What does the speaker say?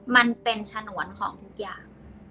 มันเป็นฉนวนของทุกอย่าง